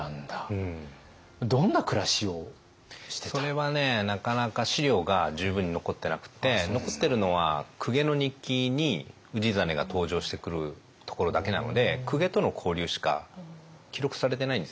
それはねなかなか史料が十分に残ってなくて残ってるのは公家の日記に氏真が登場してくるところだけなので公家との交流しか記録されてないんですね。